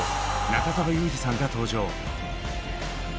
中澤佑二さんが登場。